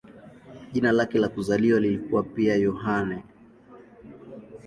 Jina lake la kuzaliwa lilikuwa pia "Yohane".